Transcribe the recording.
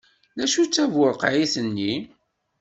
Acu d taburqiεt-nni?